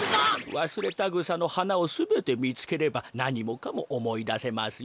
ワスレタグサのはなをすべてみつければなにもかもおもいだせますよ。